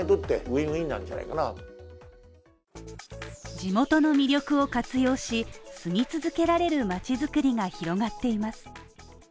地元の魅力を活用し、住み続けられるまちづくりが広がっています。